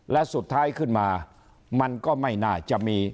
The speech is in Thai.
และสุดท้ายขึ้นมามันก็ไม่น่าจะมี